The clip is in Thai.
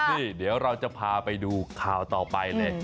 นี่เดี๋ยวเราจะพาไปดูข่าวต่อไปเลย